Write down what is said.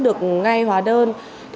được ngay hóa đơn